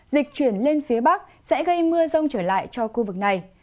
dịch chuyển lên phía bắc sẽ gây mưa rông trở lại cho khu vực này